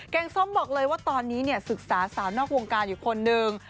งส้มบอกเลยว่าตอนนี้ศึกษาสาวนอกวงการอยู่คนหนึ่ง